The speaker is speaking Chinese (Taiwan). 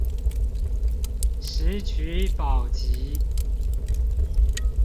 石渠寶笈